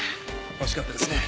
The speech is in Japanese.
惜しかったですね。